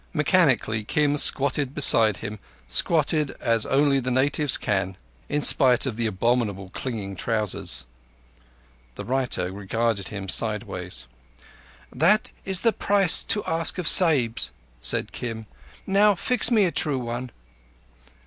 Mechanically Kim squatted beside him—squatted as only the natives can—in spite of the abominable clinging trousers. The writer regarded him sideways. "That is the price to ask of Sahibs," said Kim. "Now fix me a true one."